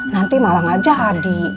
nanti malah nggak jadi